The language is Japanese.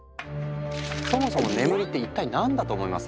そもそも眠りって一体何だと思います？